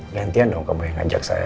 nanti aja dong kamu yang ngajak saya